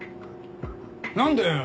なんだよ。